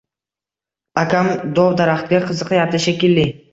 Akam dov-daraxtga qiziqyapti, shekilli